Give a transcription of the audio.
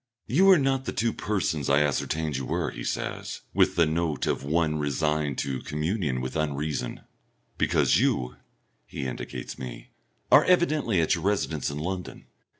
"You are not the two persons I ascertained you were," he says, with the note of one resigned to communion with unreason; "because you" he indicates me "are evidently at your residence in London."